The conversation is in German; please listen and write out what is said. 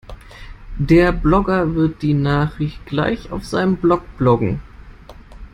Der Blogger wird die Nachricht gleich auf seinem Blog bloggen.